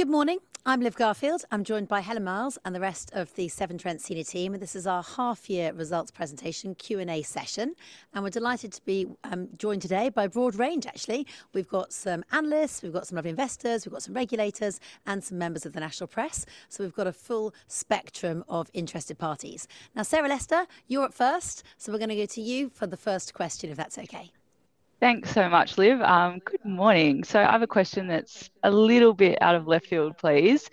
Good morning. I'm Liv Garfield i'm joined by Helen Miles and the rest of the Severn Trent Senior Team this is our half-year results presentation Q&A session, and we're delighted to be joined today by a broad range, actually. We've got some analysts, we've got some lovely investors, we've got some regulators, and some members of the national press. So we've got a full spectrum of interested parties. Now, Sarah Lester, you're up first, so we're going to go to you for the first question, if that's okay. Thanks so much, Liv. Good morning. So I have a question that's a little bit out of left field, please.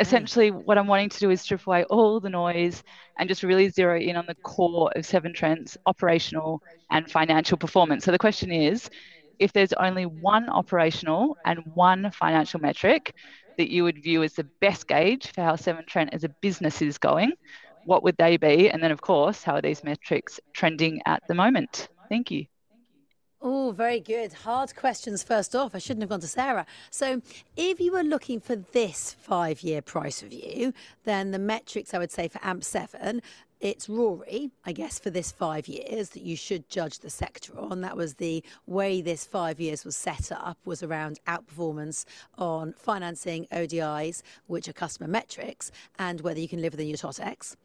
Essentially, what I'm wanting to do is strip away all the noise and just really zero in on the core of Severn Trent's operational and financial performance. So the question is, if there's only one operational and one financial metric that you would view as the best gauge for how Severn Trent as a business is going, what would they be? And then, of course, how are these metrics trending at the moment? Thank you. Oh, very good hard questions first off i shouldn't have gone to Sarah. So if you were looking for this five-year price review, then the metrics I would say for AMP7, it's RoRE, I guess, for this five years that you should judge the sector on that was the way this five years was set up, was around outperformance on financing, ODIs, which are customer metrics, and whether you can live within your Totex.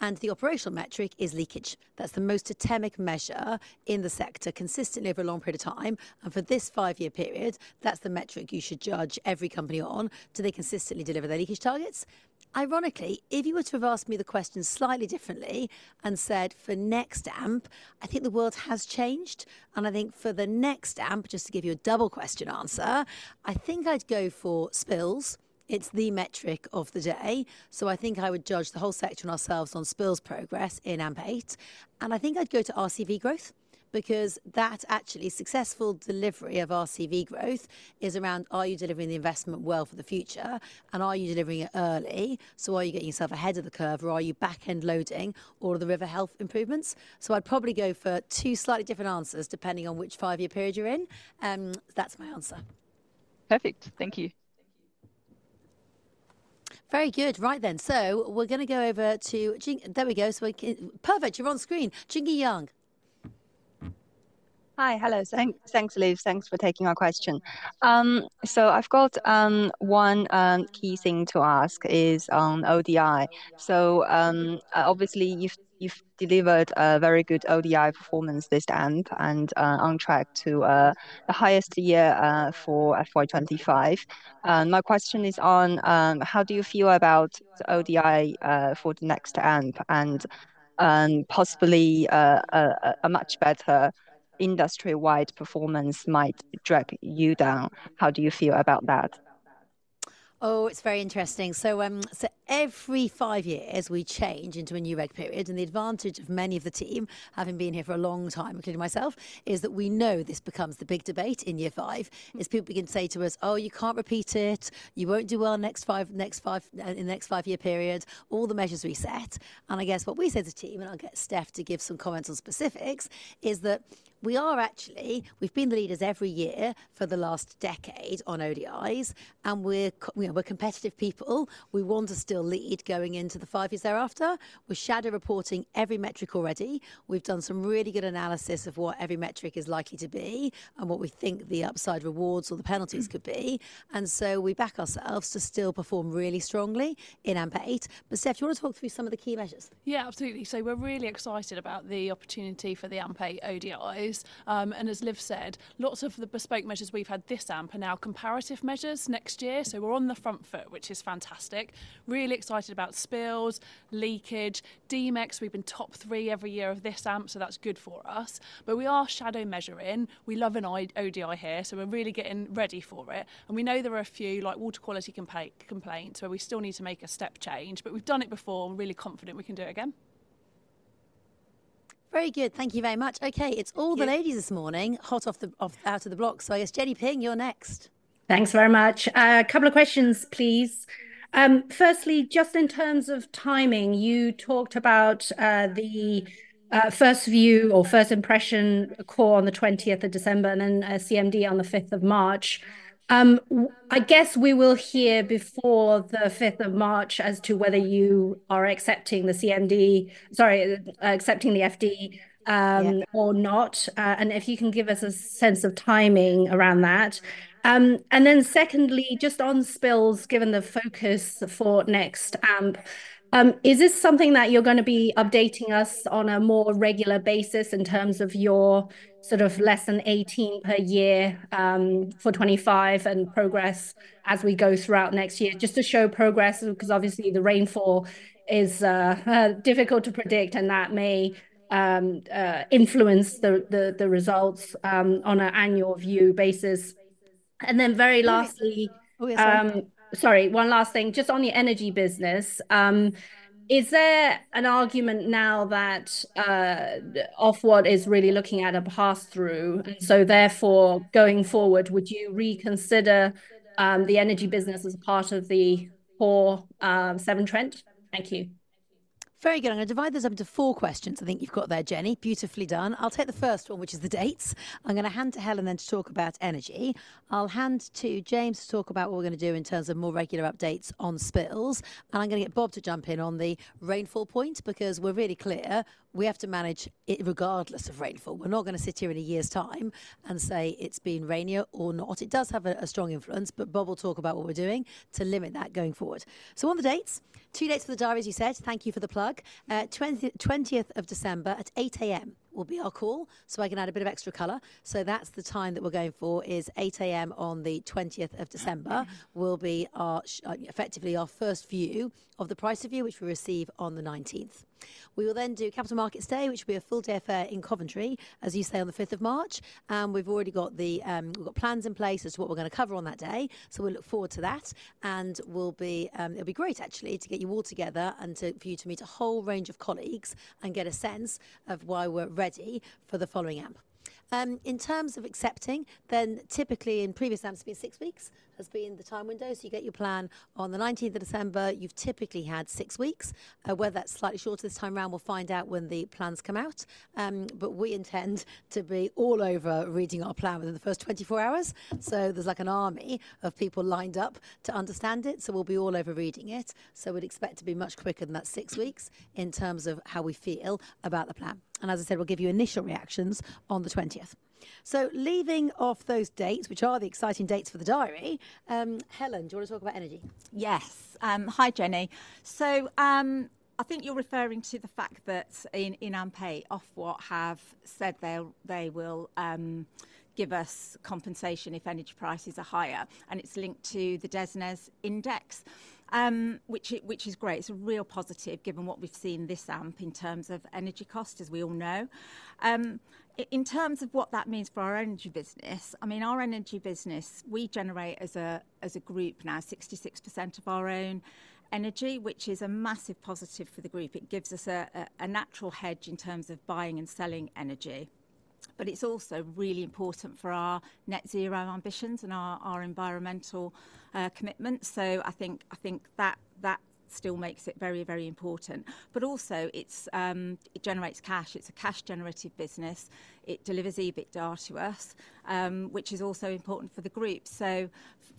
And the operational metric is leakage. That's the most atomic measure in the sector consistently over a long period of time. And for this five-year period, that's the metric you should judge every company on, do they consistently deliver their leakage targets? Ironically, if you were to have asked me the question slightly differently and said, for next AMP, I think the world has changed, and I think for the next AMP, just to give you a double question answer, I think I'd go for spills. It's the metric of the day. So I think I would judge the whole sector on ourselves on spills progress in AMP8. And I think I'd go to RCV growth, because that actually successful delivery of RCV growth is around, are you delivering the investment well for the future? And are you delivering it early? So are you getting yourself ahead of the curve? Or are you back-end loading all of the river health improvements? So I'd probably go for two slightly different answers depending on which five-year period you're in. That's my answer. Perfect. Thank you. Very good right then so we're going to go over to, there we go so perfect. You're on screen. Jingyi Dong. Hi hello thanks, Liv. Thanks for taking our question. So I've got one key thing to ask is on ODI. So obviously, you've delivered a very good ODI performance this AMP and on track to the highest year for FY25. My question is on how do you feel about ODI for the next AMP? And possibly, a much better industry-wide performance might drag you down. How do you feel about that? Oh, it's very interesting. So every five years, we change into a new reg period and the advantage of many of the team having been here for a long time, including myself, is that we know this becomes the big debate in year five, is people begin to say to us, oh, you can't repeat it. You won't do well in the next five-year period. All the measures we set. And I guess what we say as a team, and I'll get Steph to give some comments on specifics, is that we are actually, we've been the leaders every year for the last decade on ODIs. And we're competitive people. We want to still lead going into the five years thereafter. We're shadow reporting every metric already. We've done some really good analysis of what every metric is likely to be and what we think the upside rewards or the penalties could be. And so we back ourselves to still perform really strongly in AMP8. But Steph, do you want to talk through some of the key measures? Yeah, absolutely, so we're really excited about the opportunity for the AMP8 ODIs. And as Liv said, lots of the bespoke measures we've had this AMP are now comparative measures next year, so we're on the front foot, which is fantastic. Really excited about spills, leakage, D-MeX we've been top three every year of this AMP, so that's good for us, but we are shadow measuring. We love an ODI here, so we're really getting ready for it, and we know there are a few, like water quality complaints, where we still need to make a step change, but we've done it before and we're really confident we can do it again. Very good thank you very much okay, it's all the ladies this morning, hot off the block so i guess Jenny Ping, you're next. Thanks very much. A couple of questions, please. Firstly, just in terms of timing, you talked about the first view or first impression core on the 20th of December and then CMD on the 5th of March. I guess we will hear before the 5th of March as to whether you are accepting the CMD, sorry, accepting the FD or not. And if you can give us a sense of timing around that. And then secondly, just on spills, given the focus for next AMP, is this something that you're going to be updating us on a more regular basis in terms of your sort of less than 18 per year for 25 and progress as we go throughout next year, just to show progress, because obviously the rainfall is difficult to predict and that may- Influence the results on an annual view basis. Then very lastly, sorry, one last thing, just on the energy business, is there? an argument now that Ofwat is really looking at a pass-through? And so therefore, going forward, would you reconsider the energy business as part of the core Severn Trent? Thank you. Very good i'm going to divide this up into four questions i think you've got there, Jenny. Beautifully done. I'll take the first one, which is the dates. I'm going to hand to Helen then to talk about energy. I'll hand to James to talk about what we're going to do in terms of more regular updates on spills. And I'm going to get Bob to jump in on the rainfall point, because we're really clear, we have to manage it regardless of rainfall we're not going to sit here in a year's time and say it's been rainier or not it does have a strong influence, but Bob will talk about what we're doing to limit that going forward. So on the dates, two dates for the dive, as you said thank you for the plug. 20th of December at 8:00 A.M. will be our call, so I can add a bit of extra color. So that's the time that we're going for is 8:00 A.M. on the 20th of December will be effectively our first view of the price review, which we receive on the 19th. We will then do capital markets day, which will be a full day of fair incumbency, as you say, on the 5th of March. And we've already got the plans in place as to what we're going to cover on that day. So we look forward to that. And it'll be great, actually, to get you all together and for you to meet a whole range of colleagues and get a sense of why we're ready for the following AMP. In terms of accepting, then typically in previous AMPs, it's been six weeks has been the time window so you get your plan on the 19th of December. You've typically had six weeks. Whether that's slightly shorter this time around, we'll find out when the plans come out. But we intend to be all over reading our plan within the first 24 hours. So there's like an army of people lined up to understand it so we'll be all over reading it. So we'd expect to be much quicker than that six weeks in terms of how we feel about the plan. And as I said, we'll give you initial reactions on the 20th. So leaving off those dates, which are the exciting dates for the diary, Helen, do you want to talk about energy? Yes. Hi, Jenny. So I think you're referring to the fact that in AMP, Ofwat have said they will give us compensation if energy prices are higher. And it's linked to the DESNZ's index, which is great. It's a real positive given what we've seen this AMP in terms of energy cost, as we all know. In terms of what that means for our energy business, I mean, our energy business, we generate as a group now 66% of our own energy, which is a massive positive for the group. It gives us a natural hedge in terms of buying and selling energy. But it's also really important for our net zero ambitions and our environmental commitments so I think that still makes it very, very important. But also, it generates cash. It's a cash-generated business. It delivers EBITDA to us, which is also important for the group. So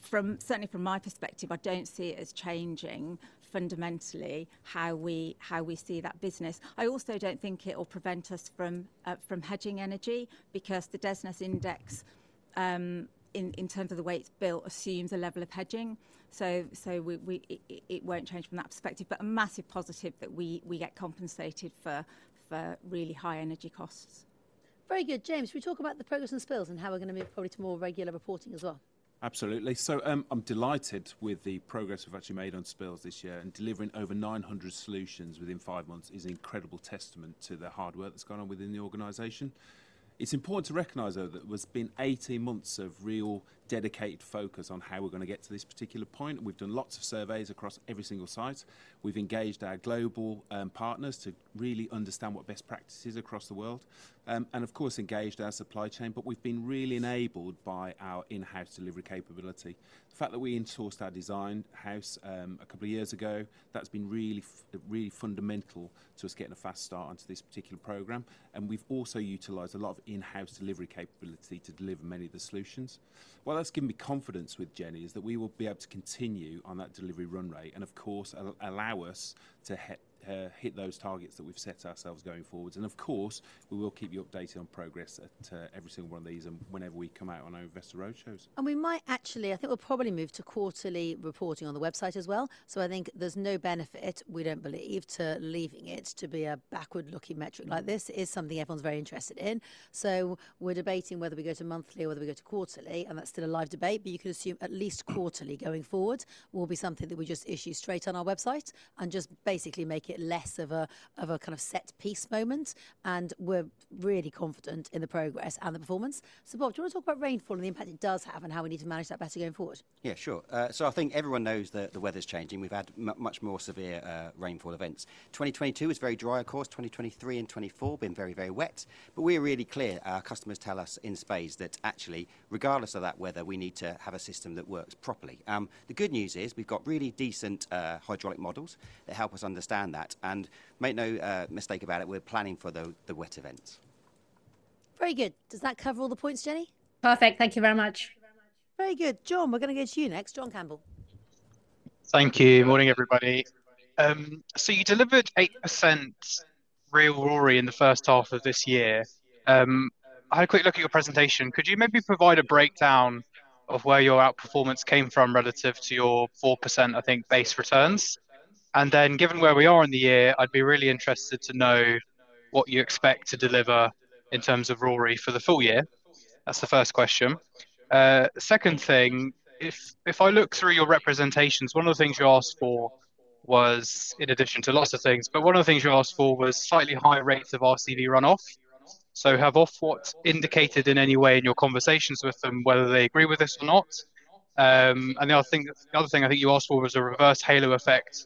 certainly from my perspective, I don't see it as changing fundamentally how we see that busines i also don't think it will prevent us from hedging energy, because the DESNZ's index, in terms of the way it's built, assumes a level of hedging. So it won't change from that perspective, but a massive positive that we get compensated for really high energy costs. Very good James, can we talk about the progress on spills and how we're going to move probably to more regular reporting as well? Absolutely. So I'm delighted with the progress we've actually made on spills this year and delivering over 900 solutions within five months is an incredible testament to the hard work that's gone on within the organization. It's important to recognize, though, that there's been 18 months of real dedicated focus on how we're going to get to this particular point we've done lots of surveys across every single site. We've engaged our global partners to really understand what best practice is across the world. And of course, engaged our supply chain but we've been really enabled by our in-house delivery capability. The fact that we insourced our design house a couple of years ago, that's been really fundamental to us getting a fast start onto this particular program. And we've also utilized a lot of in-house delivery capability to deliver many of the solutions. What that's given me confidence with, Jenny, is that we will be able to continue on that delivery run rate and, of course, allow us to hit those targets that we've set ourselves going forwards, and of course, we will keep you updated on progress at every single one of these and whenever we come out on our investor roadshows. And we might actually, I think we'll probably move to quarterly reporting on the website as well. So I think there's no benefit, we don't believe, to leaving it to be a backward-looking metric like this it is something everyone's very interested in. So we're debating whether we go to monthly or whether we go to quarterly and that's still a live debate. But you can assume at least quarterly going forward. Will be something that we just issue straight on our website and just basically make it less of a kind of set piece moment. And we're really confident in the progress and the performance. So Bob, do you want to talk about rainfall and the impact it does have and how we need to manage that better going forward? Yeah, sure so I think everyone knows that the weather's changing we've had much more severe rainfall events. 2022 was very dry, of course. 2023 and 2024 have been very, very wet. But we're really clear. Our customers tell us in spades that actually, regardless of that weather, we need to have a system that works properly. The good news is we've got really decent hydraulic models that help us understand that. And make no mistake about it, we're planning for the wet events. Very good. Does that cover all the points, Jenny? Perfect. Thank you very much. Very good. John, we're going to go to you next John Campbell. Thank you. Morning, everybody. So you delivered 8% real RoRE in the first half of this year. I had a quick look at your presentation could you maybe provide a breakdown of where your outperformance came from relative to your 4%, I think, base returns? And then given where we are in the year, I'd be really interested to know what you expect to deliver in terms of RoRE for the full year. That's the first question. Second thing, if I look through your representations, one of the things you asked for was, in addition to lots of things, but one of the things you asked for was slightly higher rates of RCV runoff. So have Ofwat indicated in any way in your conversations with them whether they agree with this or not? And the other thing I think you asked for was a reverse halo effect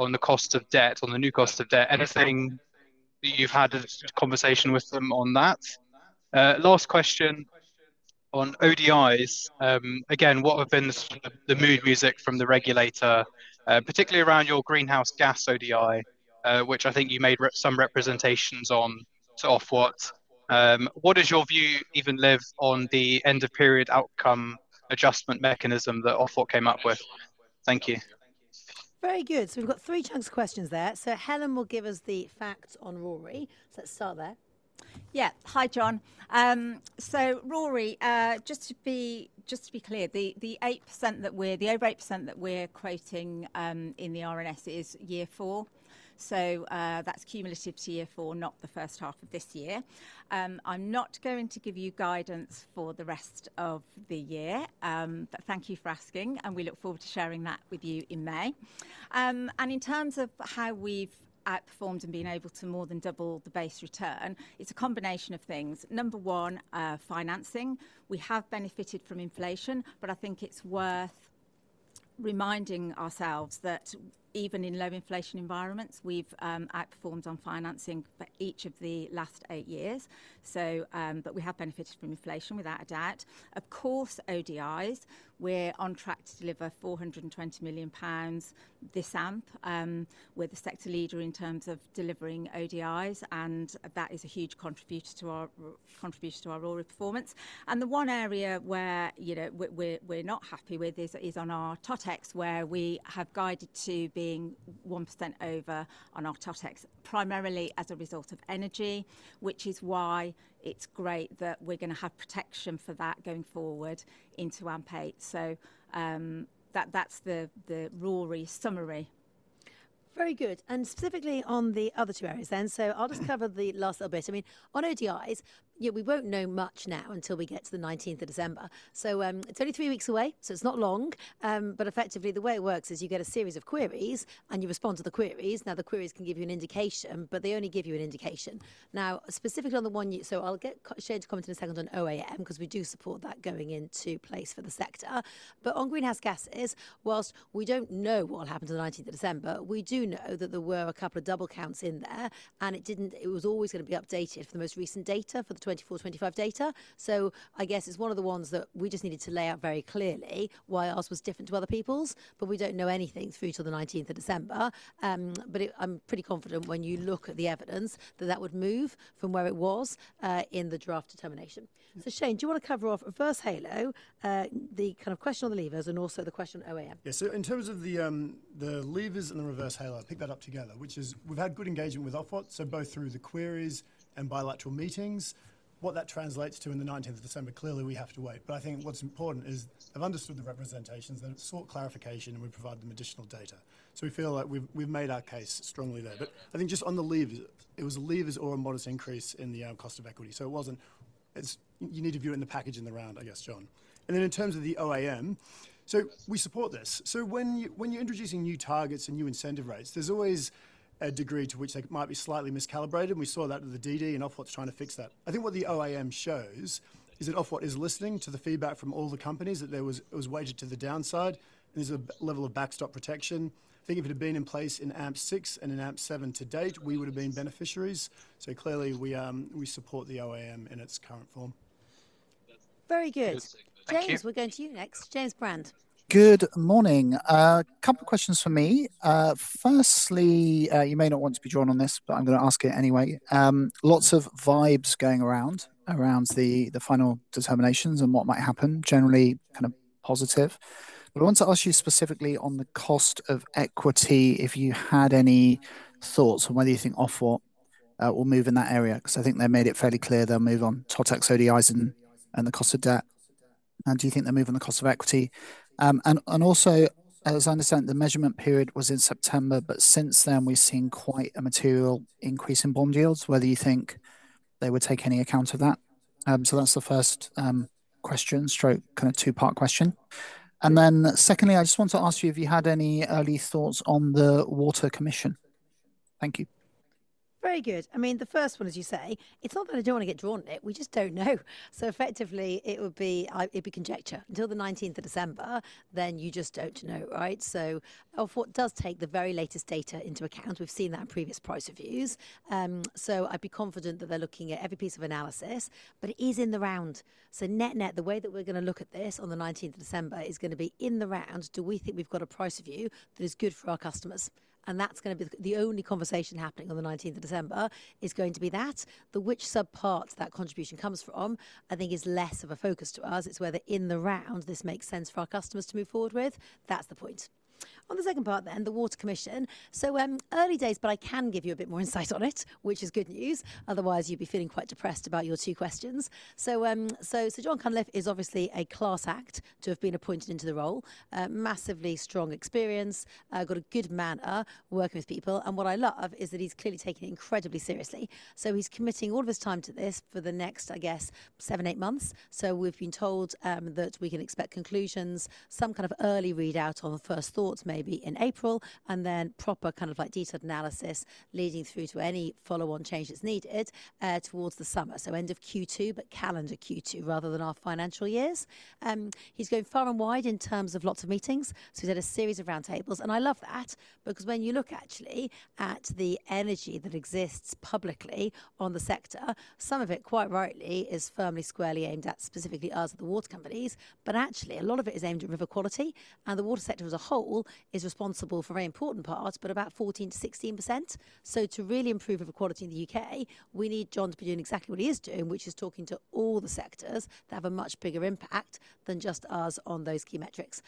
on the cost of debt, on the new cost of debt anything that you've had a conversation with them on that? Last question on ODIs. Again, what have been the mood music from the regulator, particularly around your greenhouse gas ODI, which I think you made some representations on to Ofwat? What is your view, even Liv, on the end-of-period outcome adjustment mechanism that Ofwat came up with? Thank you. Very good. So we've got three chunks of questions there. So Helen will give us the facts on RoRE. So let's start there. Yeah. Hi, John. So RoRE, just to be clear, the over 8% that we're quoting in the RNS is year four. So that's cumulative to year four, not the first half of this year. I'm not going to give you guidance for the rest of the year. But thank you for asking and we look forward to sharing that with you in May. And in terms of how we've outperformed and been able to more than double the base return, it's a combination of things, Number one, financing. We have benefited from inflation. But I think it's worth reminding ourselves that even in low inflation environments, we've outperformed on financing for each of the last eight years. But we have benefited from inflation, without a doubt of course, ODIs. We're on track to deliver 420 million pounds this AMP. We're the sector leader in terms of delivering ODIs. That is a huge contribution to our RoRE performance. The one area where we're not happy with is on our Totex, where we have guided to being 1% over on our Totex, primarily as a result of energy, which is why it's great that we're going to have protection for that going forward into AMP8. That's the RoRE summary. Very good and specifically on the other two areas then so I'll just cover the last little bit. I mean, on ODIs, we won't know much now until we get to the 19th of December. So it's only three weeks away. So it's not long. But effectively, the way it works is you get a series of queries and you respond to the queries. Now, the queries can give you an indication, but they only give you an indication. Now, specifically on the one, so I'll get Shane to comment in a second on OAM, because we do support that going into place for the sector. But on greenhouse gases, while we don't know what will happen until the 19th of December, we do know that there were a couple of double counts in there. And it was always going to be updated for the most recent data for the 24-25 data. So I guess it's one of the ones that we just needed to lay out very clearly why ours was different to other people's. But we don't know anything through to the 19th of December. But I'm pretty confident when you look at the evidence that that would move from where it was in the draft determination. So Shane, do you want to cover off reverse halo, the kind of question on the levers, and also the question on OAM? Yeah, so in terms of the levers and the reverse halo, I picked that up together, which is we've had good engagement with Ofwat, so both through the queries and bilateral meetings. What that translates to in the 19th of December, clearly we have to wait, but I think what's important is they've understood the representations, they've sought clarification, and we've provided them additional data. So we feel like we've made our case strongly there, but I think just on the levers, it was levers or a modest increase in the cost of equity, so it wasn't, you need to view it in the package in the round, I guess, John, and then in terms of the OAM, so we support this. So when you're introducing new targets and new incentive rates, there's always a degree to which they might be slightly miscalibrated and we saw that with the DD, and Ofwat's trying to fix that. I think what the OAM shows is that Ofwat is listening to the feedback from all the companies that it was weighted to the downside. And there's a level of backstop protection. I think if it had been in place in AMP6 and in AMP7 to date, we would have been beneficiaries. So clearly, we support the OAM in its current form. Very good. James, we're going to you next James Brand. Good morning. A couple of questions for me. Firstly, you may not want to be drawn on this, but I'm going to ask it anyway. Lots of vibes going around the final determinations and what might happen, generally kind of positive. But I want to ask you specifically on the cost of equity, if you had any thoughts on whether you think Ofwat will move in that area, because I think they made it fairly clear they'll move on Totex ODIs and the cost of debt. And do you think they'll move on the cost of equity? And also, as I understand, the measurement period was in September, but since then we've seen quite a material increase in bond yields whether you think they would take any account of that? So that's the first question stroke kind of two-part question. Then secondly, I just want to ask you if you had any early thoughts on the Water Commission. Thank you. Very good. I mean, the first one, as you say, it's not that I don't want to get drawn on it we just don't know. So effectively, it would be conjecture. Until the 19th of December, then you just don't know, right? So Ofwat does take the very latest data into account we've seen that in previous price reviews. So I'd be confident that they're looking at every piece of analysis. But it is in the round. So net-net, the way that we're going to look at this on the 19th of December is going to be in the round, do we think we've got a price review that is good for our customers? And that's going to be the only conversation happening on the 19th of December is going to be that. The which subpart that contribution comes from, I think, is less of a focus to us it's whether in the round this makes sense for our customers to move forward with. That's the point. On the second part then, the Water Commission. So early days, but I can give you a bit more insight on it, which is good news. Otherwise, you'd be feeling quite depressed about your two questions. So John Cunliffe is obviously a class act to have been appointed into the role. Massively strong experience, got a good manner working with people and what I love is that he's clearly taking it incredibly seriously. So he's committing all of his time to this for the next, I guess, seven, eight months. So we've been told that we can expect conclusions, some kind of early readout on first thoughts maybe in April, and then proper kind of detailed analysis leading through to any follow-on change that's needed towards the summer so, end of Q2, but calendar Q2 rather than our financial years. He's going far and wide in terms of lots of meetings. So he's had a series of roundtables and I love that, because when you look actually at the energy that exists publicly on the sector, some of it, quite rightly, is firmly, squarely aimed at specifically us at the water companies. But actually, a lot of it is aimed at river quality. And the water sector as a whole is responsible for a very important part, but about 14%-16%. So to really improve river quality in the UK, we need John to be doing exactly what he is doing, which is talking to all the sectors that have a much bigger impact than just us on those key metrics.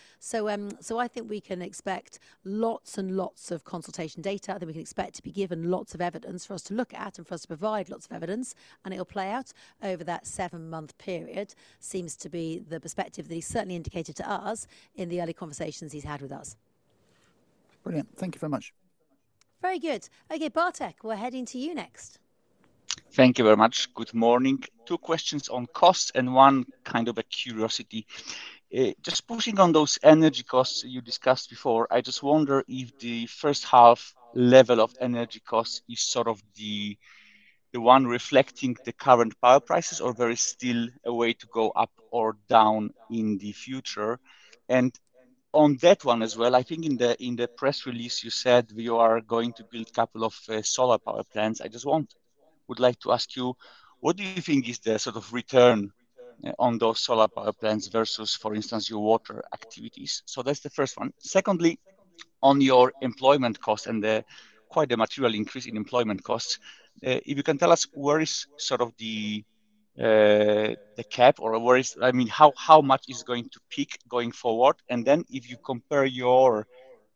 I think we can expect lots and lots of consultation data that we can expect to be given lots of evidence for us to look at and for us to provide lots of evidence. It'll play out over that seven-month period seems to be the perspective that he's certainly indicated to us in the early conversations he's had with us. Brilliant. Thank you very much. Very good. Okay, Bartek, we're heading to you next. Thank you very much. Good morning. Two questions on cost and one kind of a curiosity. Just pushing on those energy costs you discussed before, I just wonder if the first half level of energy costs is sort of the one reflecting the current power prices, or there is still a way to go up or down in the future? And on that one as well, I think in the press release you said you are going to build a couple of solar power plants i just would like to ask you. What do you think? is the sort of return on those solar power plants versus, for instance, your water activities? So that's the first one. Secondly, on your employment costs and quite a material increase in employment costs, if you can tell us where is sort of the cap or where is, I mean, how much is going to peak going forward? And then if you compare your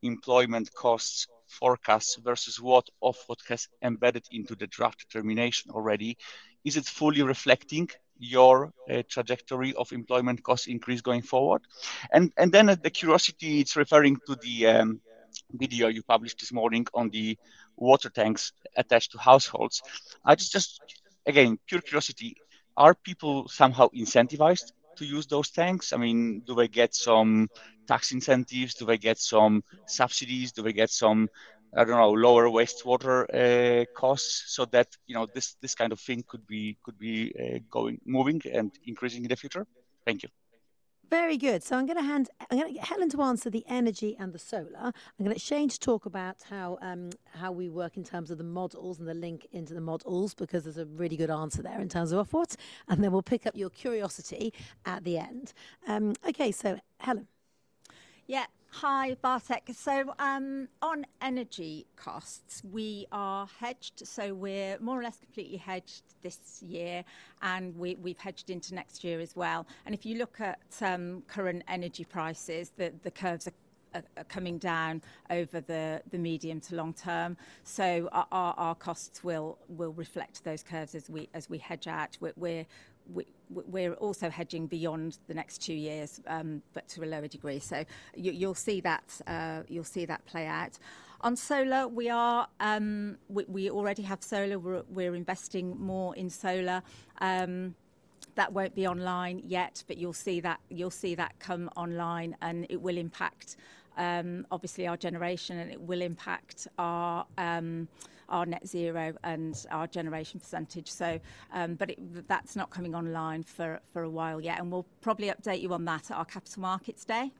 employment costs forecast versus what Ofwat has embedded into the draft determination already, is it fully reflecting your trajectory of employment cost increase going forward? And then the curiosity, it's referring to the video you published this morning on the water tanks attached to households. Just again, pure curiosity, are people somehow incentivized to use those tanks? I mean, do they get some tax incentives? Do they get some subsidies? Do they get some, I don't know, lower wastewater costs so that this kind of thing could be moving and increasing in the future? Thank you. Very good. So I'm going to hand Helen to answer the energy and the solar. I'm going to let Shane to talk about how we work in terms of the models and the link into the models, because there's a really good answer there in terms of Ofwat. And then we'll pick up your curiosity at the end. Okay, so Helen. Yeah. Hi, Bartek. So on energy costs, we are hedged so we're more or less completely hedged this year, and we've hedged into next year as well. If you look at current energy prices, the curves are coming down over the medium to long term. So our costs will reflect those curves as we hedge out we're also hedging beyond the next two years, but to a lower degree so you'll see that play out. On solar, we already have solar we're investing more in solar. That won't be online yet, but you'll see that come online, and it will impact, obviously, our generation, and it will impact our net zero and our generation percentage. But that's not coming online for a while yet, and we'll probably update you on that at our Capital Markets Day.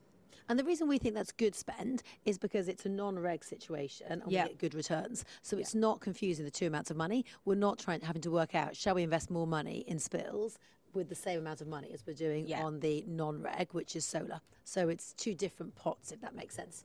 The reason we think that's good spend is because it's a non-REG situation and we get good returns. So it's not confusing the two amounts of money. We're not having to work out, shall we invest more money in spills with the same amount of money as we're doing on the non-REG, which is solar. So it's two different pots, if that makes sense.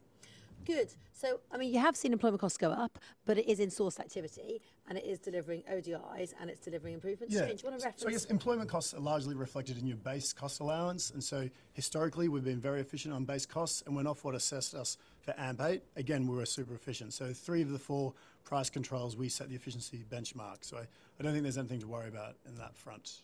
Good. So I mean, you have seen employment costs go up, but it is in source activity. And it is delivering ODIs. And it's delivering improvements Shane, do you want to reference? So yes, employment costs are largely reflected in your base cost allowance and so historically, we've been very efficient on base costs and when Ofwat assessed us for AMP8, again, we were super efficient so three of the four price controls, we set the efficiency benchmark. So I don't think there's anything to worry about in that front.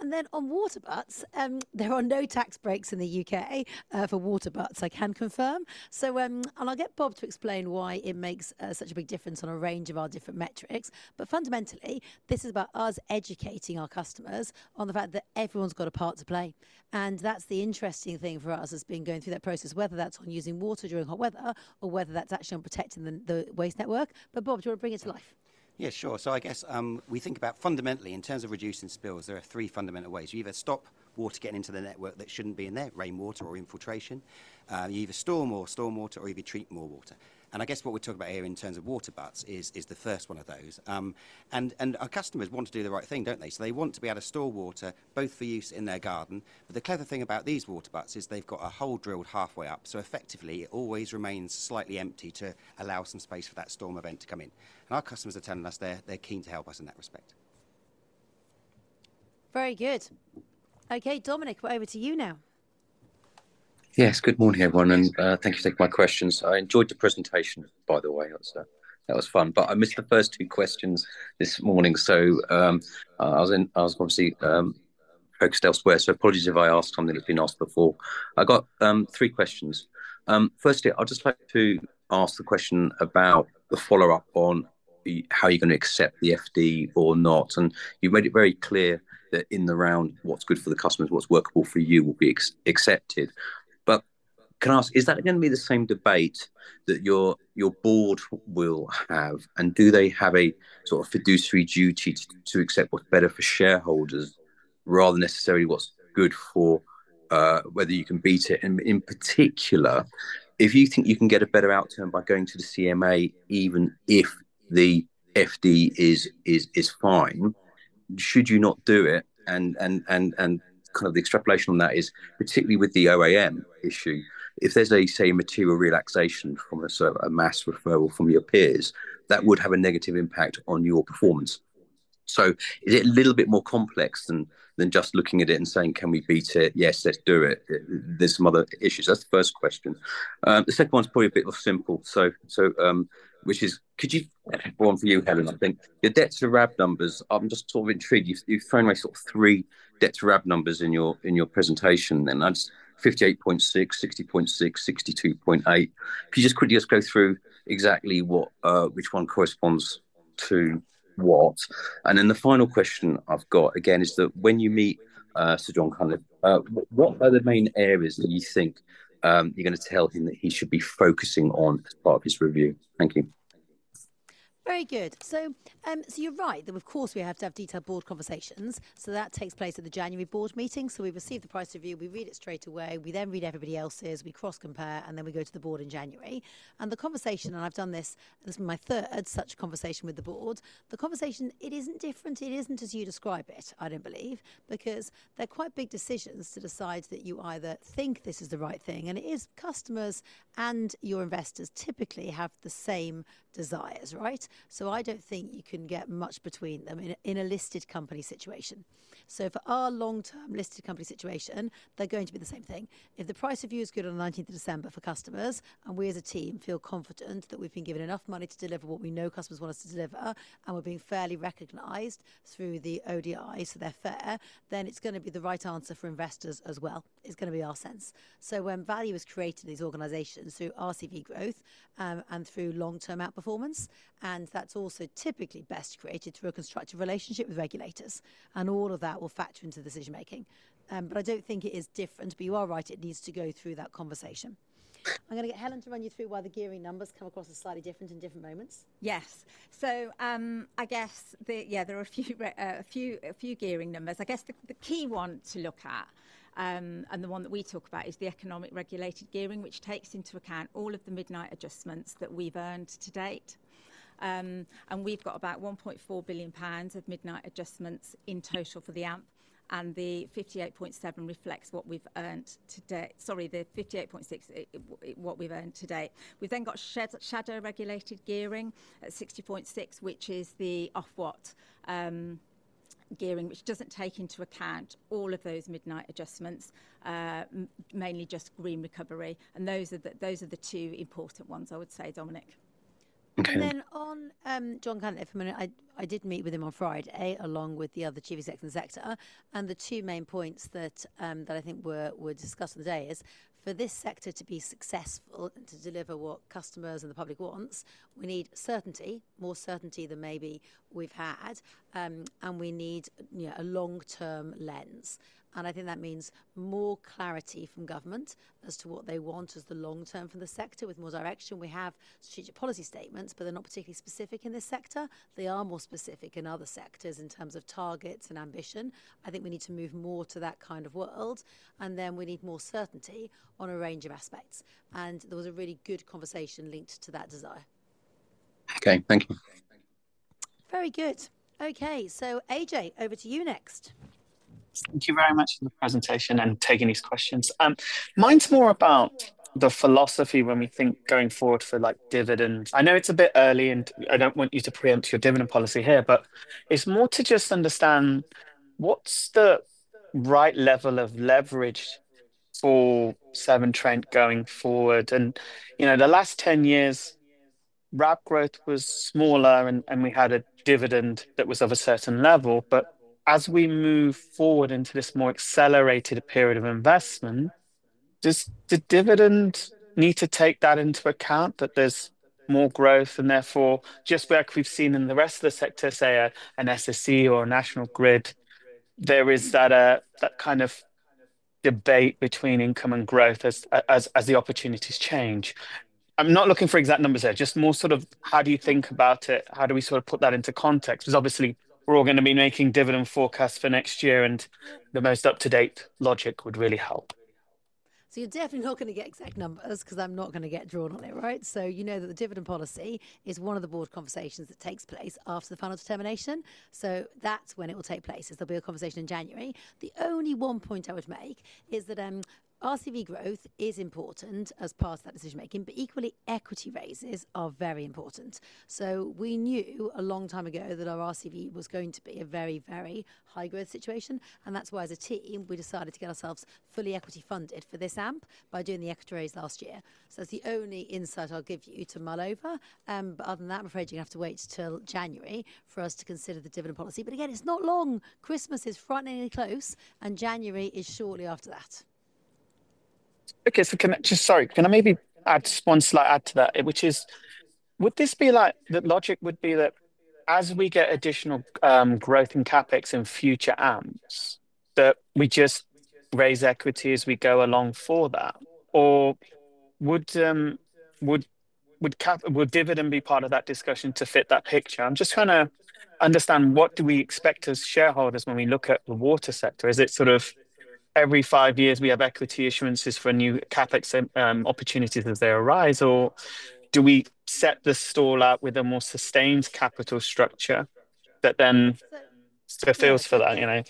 And then on water butts, there are no tax breaks in the UK for water butts, I can confirm. And I'll get Bob to explain why it makes such a big difference on a range of our different metrics. But fundamentally, this is about us educating our customers on the fact that everyone's got a part to play. And that's the interesting thing for us has been going through that process, whether that's on using water during hot weather or whether that's actually on protecting the waste network. But Bob, do you want to bring it to life? Yeah, sure. So I guess we think about fundamentally, in terms of reducing spills, there are three fundamental ways. You either stop water getting into the network that shouldn't be in there, rainwater or infiltration. You either store more stormwater or you either treat more water. And I guess what we're talking about here in terms of water butts is the first one of those. And our customers want to do the right thing, don't they? So they want to be able to store water both for use in their garden. But the clever thing about these water butts is they've got a hole drilled halfway up. So effectively, it always remains slightly empty to allow some space for that storm event to come in. And our customers are telling us they're keen to help us in that respect. Very good. Okay, Dominic, we're over to you now. Yes, good morning, everyone. And thank you for taking my questions i enjoyed the presentation, by the way that was fun but I missed the first two questions this morning. So I was obviously focused elsewhere so apologies if I asked something that's been asked before. I got three questions. Firstly, I'd just like to ask the question about the follow-up on how you're going to accept the FD or not. And you've made it very clear that in the round, what's good for the customers, what's workable for you will be accepted. But can I ask, is that going to be the same debate that your board will have? And do they have a sort of fiduciary duty to accept what's better for shareholders rather than necessarily what's good for whether you can beat it? And in particular, if you think you can get a better outcome by going to the CMA, even if the FD is fine, should you not do it? And kind of the extrapolation on that is, particularly with the OAM issue, if there's a, say, material relaxation from a mass referral from your peers, that would have a negative impact on your performance. So is it a little bit more complex than just looking at it and saying, can we beat it? Yes, let's do it. There's some other issues that's the first question. The second one's probably a bit more simple, which is, could you go on for you, Helen, I think? The debt-to-RAB numbers, I'm just sort of intrigued you've thrown away sort of three debt-to-RAB numbers in your presentation then that's 58.6, 60.6, 62.8. Could you? just quickly just go through exactly which one corresponds to what? And then the final question I've got, again, is that when you meet Sir John Cunliffe, what are the main areas that you think you're going to tell him that he should be focusing on as part of his review? Thank you. Very good. So you're right that, of course, we have to have detailed board conversations. So that takes place at the January board meeting so we receive the price review. We read it straight away. We then read everybody else's we cross-compare. And then we go to the board in January. And the conversation, and I've done this, this is my third such conversation with the board. The conversation, it isn't different it isn't as you describe it, I don't believe, because they're quite big decisions to decide that you either think this is the right thing and it is customers and your investors typically have the same desires, right? So I don't think you can get much between them in a listed company situation. So for our long-term listed company situation, they're going to be the same thing. If the price review is good on the 19th of December for customers, and we as a team feel confident that we've been given enough money to deliver what we know customers want us to deliver. And we're being fairly recognized through the ODI, so they're fair, then it's going to be the right answer for investors as well. It's going to be our sense. So when value is created in these organizations through RCV growth and through long-term outperformance, and that's also typically best created through a constructive relationship with regulators. And all of that will factor into decision-making. But I don't think it is different but you are right, it needs to go through that conversation. I'm going to get Helen to run you through why the gearing numbers come across as slightly different in different moments. Yes. So I guess, yeah, there are a few gearing numbers i guess the key one to look at, and the one that we talk about, is the economic regulated gearing, which takes into account all of the midnight adjustments that we've earned to date. And we've got about 1.4 billion pounds of midnight adjustments in total for the AMP. And the 58.7 reflects what we've earned to date. Sorry, the 58.6, what we've earned to date. We've then got shadow regulated gearing at 60.6, which is the Ofwat gearing, which doesn't take into account all of those midnight adjustments, mainly just Green Recovery. And those are the two important ones, I would say, Dominic. And then on John Cunliffe a minute, I did meet with him on Friday along with the other chief execs in the sector. And the two main points that I think were discussed on the day is for this sector to be successful and to deliver what customers and the public wants, we need certainty, more certainty than maybe we've had. And we need a long-term lens. And I think that means more clarity from government as to what they want as the long term for the sector with more direction we have strategic policy statements, but they're not particularly specific in this sector. They are more specific in other sectors in terms of targets and ambition. I think we need to move more to that kind of world. And then we need more certainty on a range of aspects. There was a really good conversation linked to that desire. Okay, thank you. Very good. Okay, so AJ, over to you next. Thank you very much for the presentation and taking these questions. Mine's more about the philosophy when we think going forward for dividends. I know it's a bit early, and I don't want you to preempt your dividend policy here, but it's more to just understand what's the right level of leverage for Severn Trent going forward, and the last 10 years, RAB growth was smaller, and we had a dividend that was of a certain level. But as we move forward into this more accelerated period of investment. Does the dividend need to take that into account that there's more growth? And therefore, just like we've seen in the rest of the sector, say, an SSE or a National Grid, there is that kind of debate between income and growth as the opportunities change. I'm not looking for exact numbers here, just more sort of how do you think about it? How do we sort of put that into context? Because obviously, we're all going to be making dividend forecasts for next year, and the most up-to-date logic would really help. So you're definitely not going to get exact numbers because I'm not going to get drawn on it, right? So you know that the dividend policy is one of the board conversations that takes place after the final determination. So that's when it will take place. There'll be a conversation in January. The only one point I would make is that RCV growth is important as part of that decision-making but equally, equity raises are very important. So we knew a long time ago that our RCV was going to be a very, very high growth situation. And that's why, as a team, we decided to get ourselves fully equity funded for this AMP by doing the equity raise last year So that's the only insight I'll give you to mull over. But other than that, I'm afraid you're going to have to wait till January for us to consider the dividend policy but again, it's not long. Christmas is frighteningly close, and January is shortly after that. Okay, so sorry, can I maybe add just one slight add to that, which is, would this be like the logic would be that as we get additional growth in CapEx in future AMPs, that we just raise equity as we go along for that? Or would dividend be part of that discussion to fit that picture? I'm just trying to understand what do we expect as shareholders when we look at the water sector? Is it sort of every five years we have equity issuances for new CapEx opportunities as they arise? Or do we set the stall out with a more sustained capital structure that then fulfills for that?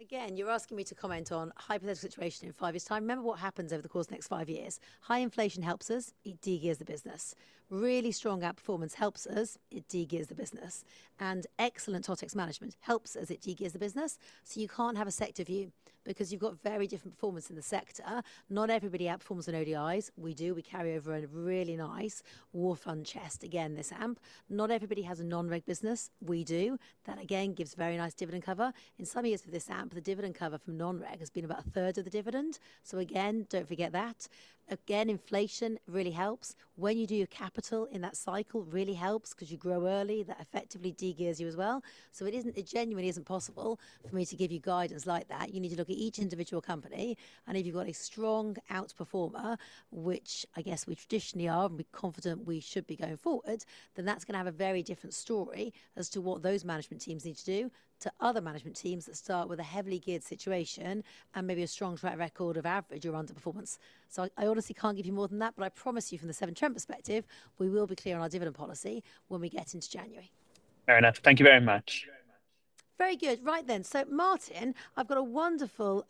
Again, you're asking me to comment on a hypothetical situation in five years' time remember what happens over the course of the next five years. High inflation helps us. It degears the business. Really strong outperformance helps us. It degears the business. And excellent Totex management helps as it degears the business. So you can't have a sector view because you've got very different performance in the sector. Not everybody outperforms on ODIs. We do we carry over a really nice war chest again this AMP. Not everybody has a non-REG business. We do. That again gives very nice dividend cover. In some years of this AMP, the dividend cover from non-REG has been about a third of the dividend. So again, don't forget that. Again, inflation really helps. When you do your capital in that cycle, it really helps because you grow early that effectively degears you as well. So it genuinely isn't possible for me to give you guidance like that you need to look at each individual company. And if you've got a strong outperformer, which I guess we traditionally are and we're confident we should be going forward, then that's going to have a very different story as to what those management teams need to do to other management teams that start with a heavily geared situation and maybe a strong track record of average or underperformance. So I honestly can't give you more than that but I promise you from the Severn Trent perspective, we will be clear on our dividend policy when we get into January. Fair enough. Thank you very much. Very good. Right then. So Martin, I've got a wonderful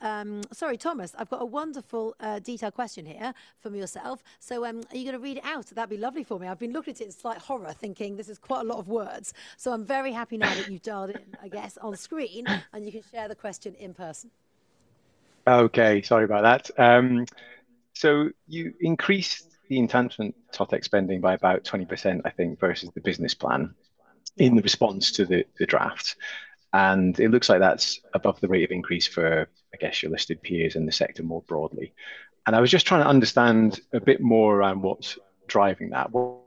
sorry, Thomas, I've got a wonderful detailed question here from yourself. So are you going to read it out? That'd be lovely for me. I've been looking at it in slight horror thinking this is quite a lot of words. So I'm very happy now that you've dialed in, I guess, on screen. And you can share the question in person. Okay, sorry about that. So you increased the intentional Totex spending by about 20%, I think, versus the business plan in the response to the draft. And it looks like that's above the rate of increase for, I guess, your listed peers in the sector more broadly. And I was just trying to understand a bit more around what's driving that. Was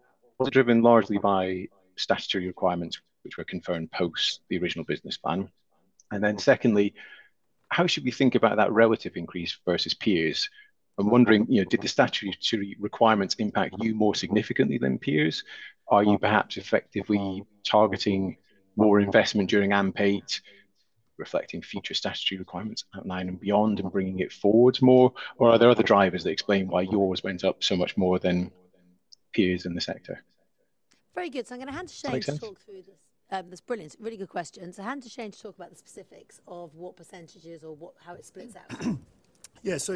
it driven largely by statutory requirements which were confirmed post the original business plan? And then secondly, how should we think about that relative increase versus peers? I'm wondering, did the statutory requirements impact you more significantly than peers? Are you perhaps effectively targeting more investment during AMP8, reflecting future statutory requirements outlined and beyond and bringing it forward more? Or are there other drivers that explain why yours went up so much more than peers in the sector? Very good so I'm going to hand to Shane to talk through this that's brilliant. It's a really good question so hand to Shane to talk about the specifics of what percentages or how it splits out. Yeah, so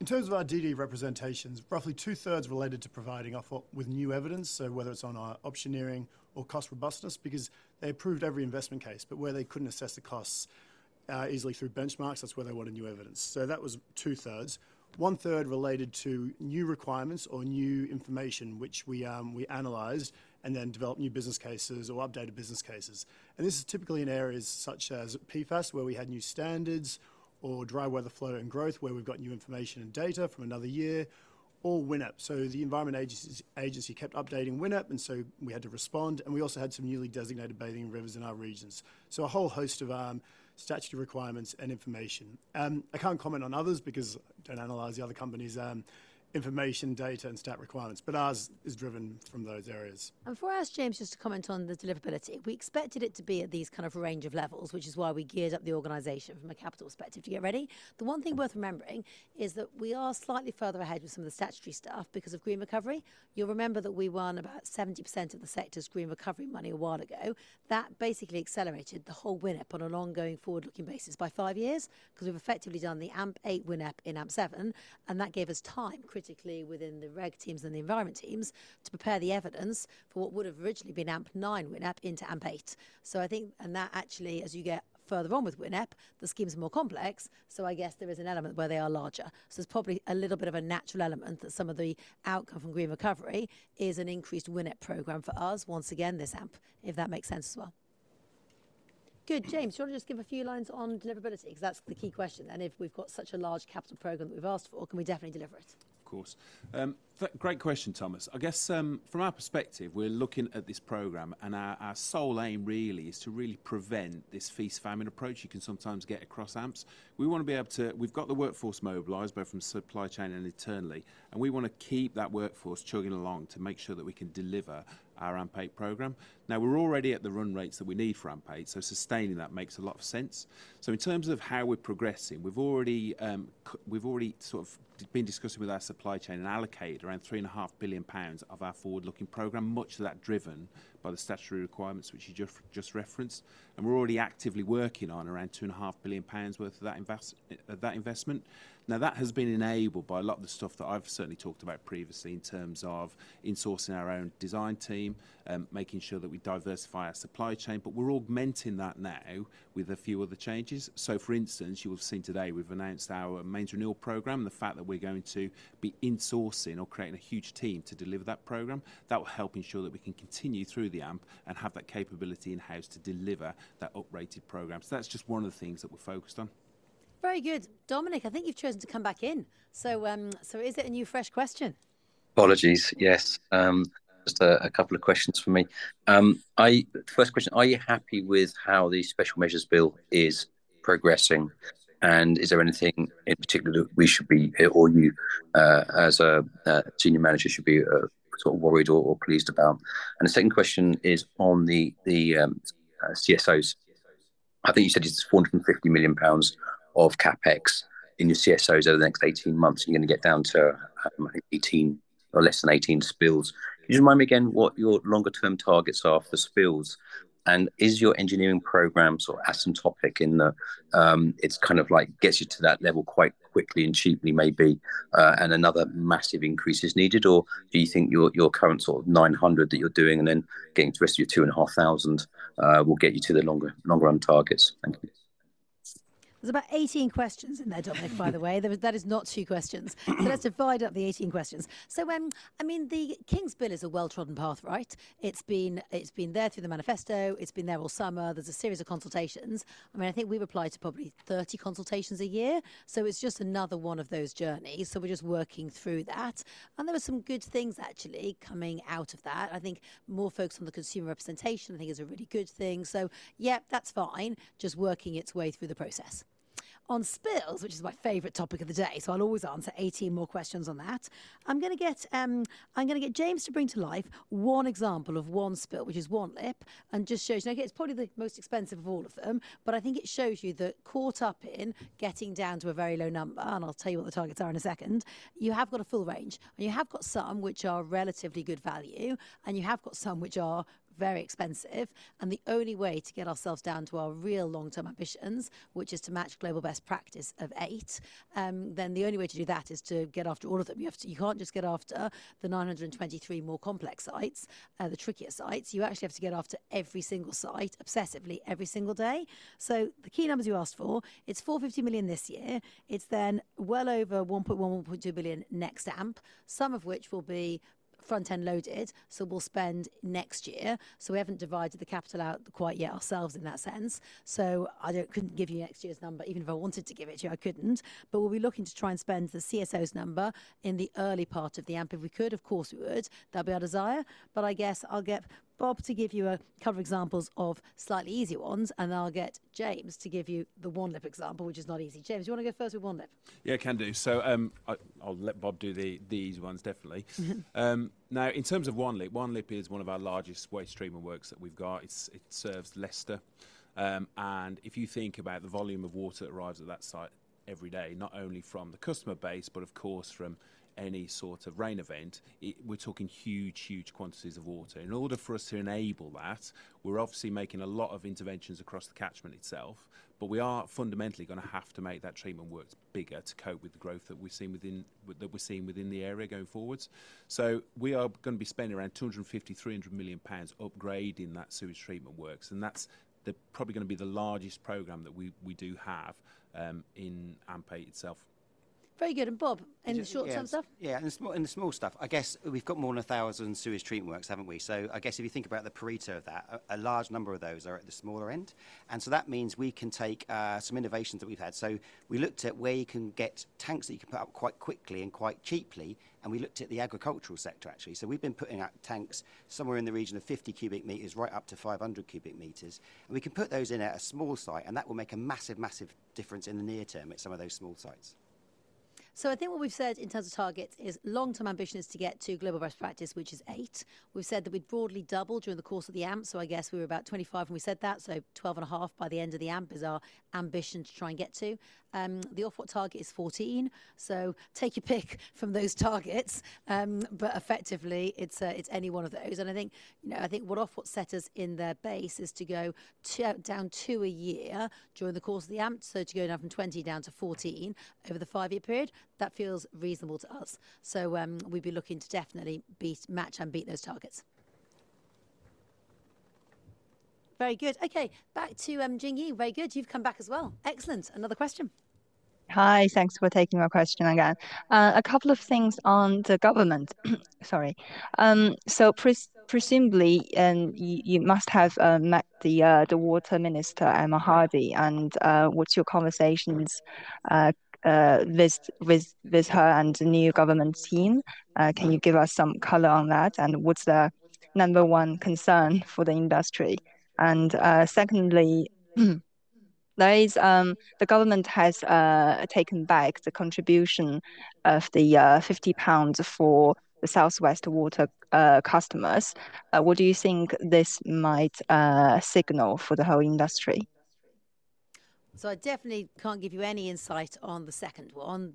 in terms of our DD representations, roughly two-thirds related to providing Ofwat with new evidence, so whether it's on our optioneering or cost robustness, because they approved every investment case, but where they couldn't assess the costs easily through benchmarks, that's where they wanted new evidence, so that was two-thirds. One-third related to new requirements or new information which we analyzed and then developed new business cases or updated business cases, and this is typically in areas such as PFAS, where we had new standards, or dry weather flow and growth, where we've got new information and data from another year. Or WINEP, so the Environment Agency kept updating WINEP, and so we had to respond, and we also had some newly designated bathing rivers in our regions, so a whole host of statutory requirements and information. I can't comment on others because I don't analyze the other companies' information, data, and stat requirements. But ours is driven from those areas. Before I ask James just to comment on the deliverability, we expected it to be at these kind of range of levels, which is why we geared up the organization from a capital perspective to get ready. The one thing worth remembering is that we are slightly further ahead with some of the statutory stuff because of Green Recovery. You'll remember that we won about 70% of the sector's Green Recovery money a while ago. That basically accelerated the whole WINEP on an ongoing forward-looking basis by five years because we've effectively done the AMP8 WINEP in AMP7. That gave us time critically within the REG teams and the environment teams to prepare the evidence. For what would have originally been AMP 9 WINEP into AMP8. I think, and that actually, as you get further on with WINEP, the schemes are more complex. So I guess there is an element where they are larger so there's probably a little bit of a natural element that some of the outcome from Green Recovery is an increased WINEP program for us, once again, this AMP, if that makes sense as well. Good. James, do you want to just give a few lines on deliverability? Because that's the key question and if we've got such a large capital program that we've asked for, can we definitely deliver it? Of course. Great question, Thomas. I guess from our perspective, we're looking at this program. And our sole aim really is to really prevent this feast-famine approach you can sometimes get across AMPs. We want to be able to, we've got the workforce mobilized both from supply chain and internally. And we want to keep that workforce chugging along to make sure that we can deliver our AMP8 program. Now, we're already at the run rates that we need for AMP8 so sustaining that makes a lot of sense. So in terms of how we're progressing, we've already sort of been discussing with our supply chain and allocated around 3.5 billion pounds of our forward-looking program, much of that driven by the statutory requirements which you just referenced. And we're already actively working on around 2.5 billion pounds worth of that investment. Now, that has been enabled by a lot of the stuff that I've certainly talked about previously in terms of insourcing our own design team, making sure that we diversify our supply chain, but we're augmenting that now with a few other changes, so for instance, you will have seen today we've announced our mains renewal program, and the fact that we're going to be insourcing or creating a huge team to deliver that program, that will help ensure that we can continue through the AMP and have that capability in-house to deliver that uprated program, so that's just one of the things that we're focused on. Very good. Dominic, I think you've chosen to come back in. So is it a new fresh question? Apologies. Yes. Just a couple of questions for me. The first question, are you happy with how the Special Measures Bill is progressing? And is there anything in particular that we should be, or you as a senior manager should be sort of worried or pleased about? And the second question is on the CSOs. I think you said it's 450 million pounds of CapEx in your CSOs over the next 18 months. you're going to get down to, I think, 18 or less than 18 spills. Could you remind me again what your longer-term targets are for spills? And is your engineering program sort of at some point in the, it's kind of like gets you to that level quite quickly and cheaply maybe, and another massive increase is needed? Or do you think your current sort of 900 that you're doing and then getting to the rest of your 2,500 will get you to the longer-run targets? Thank you. There's about 18 questions in there, Dominic, by the way that is not two questions. So let's divide up the 18 questions. So I mean, the King's bill is a well-trodden path, right? It's been there through the manifesto. It's been there all summer. There's a series of consultations. I mean, I think we've applied to probably 30 consultations a year. So it's just another one of those journeys so we're just working through that. And there were some good things actually coming out of that. I think more focus on the consumer representation, I think, is a really good thing. So yeah, that's fine. Just working its way through the process. On spills, which is my favorite topic of the day, so I'll always answer 18 more questions on that. I'm going to get James to bring to life one example of one spill, which is Wanlip, and just shows, okay, it's probably the most expensive of all of them. But I think it shows you that caught up in getting down to a very low number, and I'll tell you what the targets are in a second, you have got a full range. And you have got some which are relatively good value. And you have got some which are very expensive. And the only way to get ourselves down to our real long-term ambitions, which is to match global best practice of eight. then the only way to do that is to get after all of them you can't just get after the 923 more complex sites, the trickier sites. You actually have to get after every single site obsessively every single day. So the key numbers you asked for, it's £450 million this year. It's then well over £1.1-£1.2 billion next AMP, some of which will be front-end loaded. So we'll spend next year. So we haven't divided the capital out quite yet ourselves in that sense. So I couldn't give you next year's number even if I wanted to give it to you, I couldn't. But we'll be looking to try and spend the CSOs number in the early part of the AMP if we could, of course we would. That'll be our desire. But I guess I'll get Bob to give you a couple of examples of slightly easier ones and then I'll get James to give you the Wanlip example, which is not easy. James, do you want to go first with Wanlip? Yeah, I can do. So I'll let Bob do these ones definitely. Now, in terms of Wanlip, Wanlip is one of our largest waste treatment works that we've got. It serves Leicester. And if you think about the volume of water that arrives at that site every day, not only from the customer base, but of course from any sort of rain event, we're talking huge, huge quantities of water. In order for us to enable that. ,We're obviously making a lot of interventions across the catchment itself. But we are fundamentally going to have to make that treatment works bigger to cope with the growth that we've seen within the area going forwards. So we are going to be spending around 250 million-300 million pounds upgrading that sewage treatment works and that's probably going to be the largest program that we do have in AMP8 itself. Very good, and Bob, any short-term stuff? Yeah, and the small stuff. I guess we've got more than 1,000 sewage treatment works, haven't we? So I guess if you think about the Pareto of that, a large number of those are at the smaller end. And so that means we can take some innovations that we've had. So we looked at where you can get tanks that you can put up quite quickly and quite cheaply. And we looked at the agricultural sector, actually so we've been putting out tanks somewhere in the region of 50 cubic meters right up to 500 cubic meters. And we can put those in at a small site. And that will make a massive, massive difference in the near term at some of those small sites. I think what we've said in terms of targets is long-term ambition is to get to global best practice, which is eight. We've said that we'd broadly double during the course of the AMP so I guess we were about 25 when we said that so 12.5 by the end of the AMP is our ambition to try and get to. The Ofwat target is 14. So take your pick from those targets. But effectively, it's any one of those and I think what Ofwat set us in their base is to go down two a year during the course of the AMP so to go down from 20 down to 14 over the five-year period, that feels reasonable to us. So we'd be looking to definitely match and beat those targets. Very good. Okay, back to Jingyi very good you've come back as well. Excellent. Another question. Hi, thanks for taking my question again. A couple of things on the government. Sorry. So presumably, you must have met the water minister, Emma Hardy. And what's your conversations with her and the new government team? Can you give us some color on that? And what's the number one concern for the industry? And secondly, the government has taken back the contribution of the 50 pounds for the South West Water customers. What do you think this might signal for the whole industry? I definitely can't give you any insight on the second one.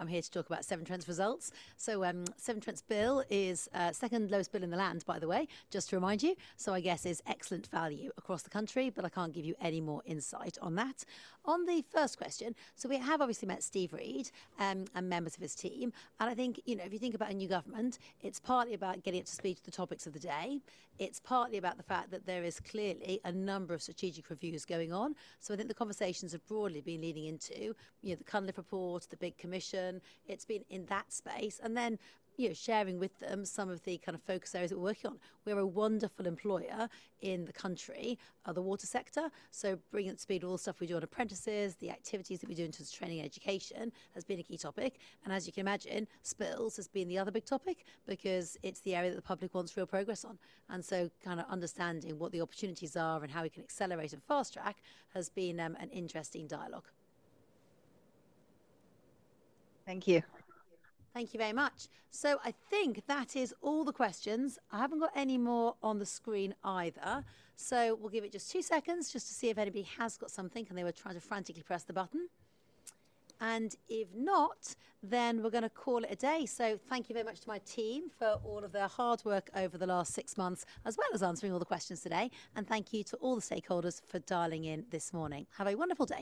I'm here to talk about Severn Trent's results. Severn Trent's bill is second lowest bill in the land, by the way, just to remind you. I guess it's excellent value across the country but I can't give you any more insight on that. On the first question, we have obviously met Steve Reed and members of his team. I think if you think about a new government, it's partly about getting up to speed to the topics of the day. It's partly about the fact that there is clearly a number of strategic reviews going on. I think the conversations have broadly been leaning into the Cunliffe review, to the big commission. It's been in that space. Then sharing with them some of the kind of focus areas we're working on. We're a wonderful employer in the country of the water sector. So bringing up to speed with all the stuff we do on apprentices, the activities that we do in terms of training and education has been a key topic. And as you can imagine, spills has been the other big topic because it's the area that the public wants real progress on. And so kind of understanding what the opportunities are and how we can accelerate and fast track has been an interesting dialogue. Thank you. Thank you very much. So I think that is all the questions. I haven't got any more on the screen either. So we'll give it just two seconds just to see if anybody has got something and they were trying to frantically press the button. And if not, then we're going to call it a day. So thank you very much to my team for all of their hard work over the last six months, as well as answering all the questions today. And thank you to all the stakeholders for dialing in this morning. Have a wonderful day.